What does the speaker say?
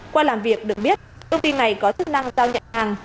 qua làm việc được biết công ty này có chức năng giao nhận hàng